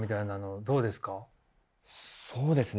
そうですね